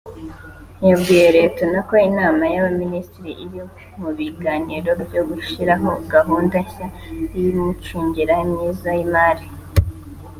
yabwiye Reuters ko inama y’Abaminisitiri iri mu biganiro byo gushyiraho gahunda nshya y’imicungire myiza y’imari